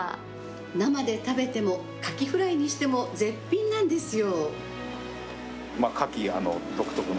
生で食べても、かきフライにしても絶品なんですよ。